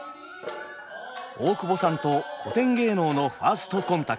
大久保さんと古典芸能のファーストコンタクト。